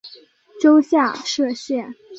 州下设县。